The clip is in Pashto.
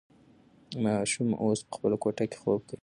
ماشوم اوس په خپله کوټه کې خوب کوي.